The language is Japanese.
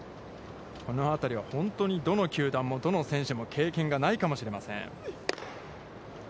このあたりは本当にどの球団もどの選手も経験がないかもしれません。